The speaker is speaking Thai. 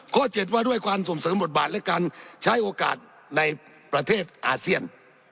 ๗ว่าด้วยความส่งเสริมบทบาทและการใช้โอกาสในประเทศอาเซียน